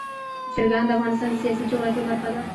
چرګان د افغانستان د سیاسي جغرافیه برخه ده.